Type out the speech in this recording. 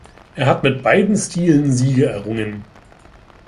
Er hat mit beiden Stilen Siege errungen.